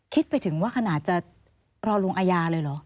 คิดไปถึงว่าขนาดจะรอลงอาญาเลยเหรอ